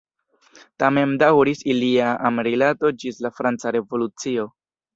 Tamen daŭris ilia amrilato ĝis la franca revolucio.